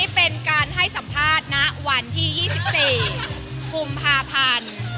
อันนี้เป็นการให้สัมภาษณะวันที่๒๔ภูมิภาพันธ์